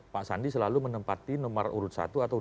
pak sandi selalu menempati nomor urut satu atau dua